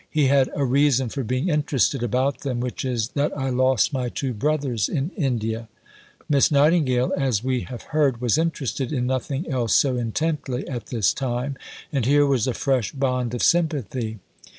He had "a reason for being interested about them which is that I lost my two brothers in India." Miss Nightingale, as we have heard, was interested in nothing else so intently at this time, and here was a fresh bond of sympathy.